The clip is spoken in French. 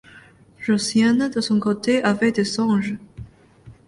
Josiane de son côté avait des songes.